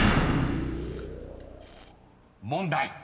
［問題］